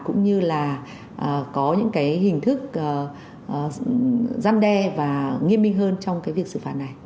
cũng như là có những cái hình thức gian đe và nghiêm minh hơn trong cái việc xử phạt này